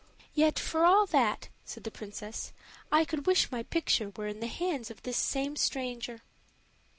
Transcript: "Yet, for all that," said the princess, "I could wish my picture were in the hands of this same stranger."